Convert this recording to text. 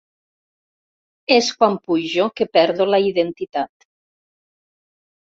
És quan pujo que perdo la identitat.